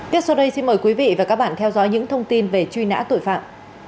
tiếp sau đây xin mời quý vị và các bạn theo dõi những thông tin về truy nã tội phạm